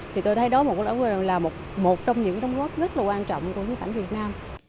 thì tôi thấy đó là một trong những đồng góp rất là quan trọng của nhiệm ảnh việt nam